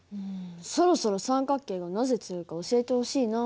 そろそろ三角形がなぜ強いか教えてほしいな。